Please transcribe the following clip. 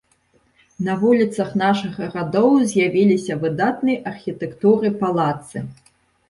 На вуліцах нашых гарадоў з'явіліся выдатнай архітэктуры палацы.